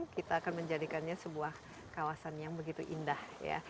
kita akan menjadikannya sebuah kawasan yang begitu indah ya